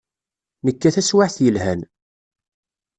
Nekka taswiɛt yelhan.